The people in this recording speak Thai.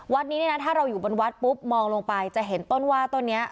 นี้เนี่ยนะถ้าเราอยู่บนวัดปุ๊บมองลงไปจะเห็นต้นว่าต้นนี้